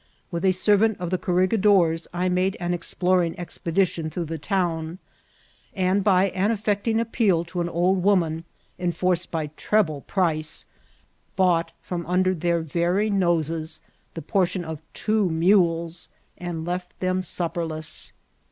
With aservant of the cor* Tegidor's I made «■ explormg expedition throu^ the town, and by an affecting a;q>eal to an old woman, en* forced by treble priee, iHmght from under their very noses the portion of two mules, and left them supperless.